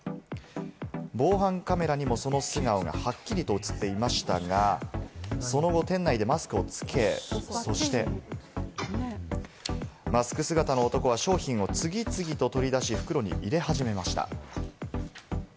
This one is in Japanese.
防犯カメラにもその素顔がはっきりと映っていましたが、その後、店内でマスクをつけ、そして、マスク姿の男は商品を次々と取り出し、袋に入れ始めました。